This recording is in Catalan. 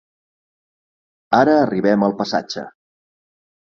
Ara arribem al passatge.